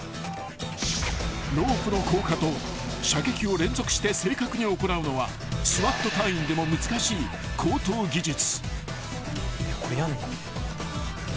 ［ロープの降下と射撃を連続して正確に行うのはＳＷＡＴ隊員でも難しい高等技術］